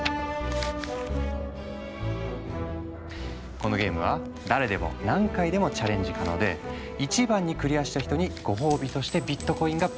このゲームは誰でも何回でもチャレンジ可能で１番にクリアした人にご褒美としてビットコインがプレゼントされるというもの。